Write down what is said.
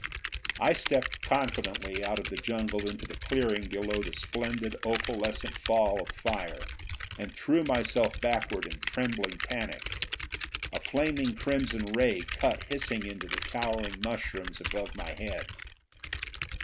I stepped confidently out of the jungle into the clearing below the splendid opalescent fall of fire and threw myself backward in trembling panic. A flaming crimson ray cut hissing into the towering mushrooms above my head.